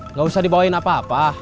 nggak usah dibawain apa apa